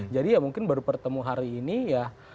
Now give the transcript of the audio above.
jadi ya mungkin baru bertemu hari ini ya